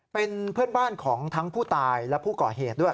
เป็นเพื่อนบ้านของทั้งผู้ตายและผู้ก่อเหตุด้วย